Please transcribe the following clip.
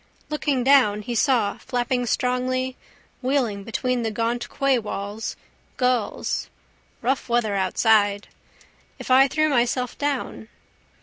Looking down he saw flapping strongly, wheeling between the gaunt quaywalls, gulls. Rough weather outside. If I threw myself down?